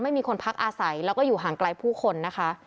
ไม่มีคนพักอาศัยแล้วก็อยู่ห่างไกลผู้คนนะคะ